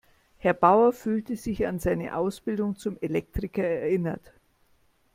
Herr Bauer fühlte sich an seine Ausbildung zum Elektriker erinnert.